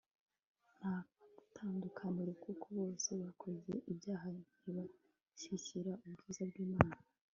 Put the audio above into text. ntatandukaniro kuko bose bakoze ibyaha ntibashyikira ubwiza bw'imana